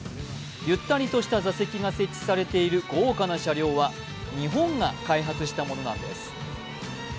ゆったりとした座席が設置されている豪華な車両は日本が開発したものなんです。